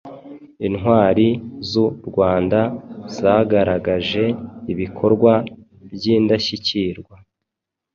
Intwari z’u Rwanda zagaragaje ibikorwa by’indashyikirwa